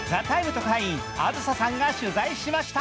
特派員・あずささんが取材しました。